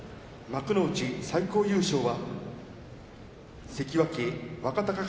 幕内最高優勝は関脇、若隆